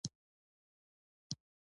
خلجیان ډېر پخوا په افغانستان کې اوسېدل.